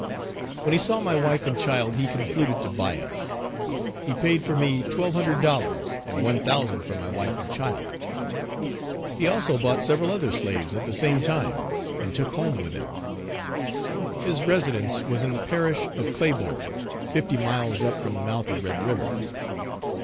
When he saw my wife and child, he concluded to buy us. He paid for me twelve hundred dollars, and one thousand for my wife and child. He also bought several other slaves at the same time, and took home with him. His residence was in the parish of Claiborn, fifty miles up from the mouth of Red River.